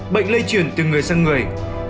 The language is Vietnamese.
bệnh lây chuyển từ người sang người